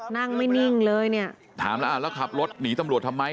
นั่งไม่นิ่งเลยเนี่ยถามแล้วอ่าแล้วขับรถหนีตำรวจทำไม